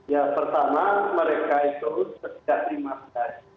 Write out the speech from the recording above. ya pertama mereka itu setiap lima belas hari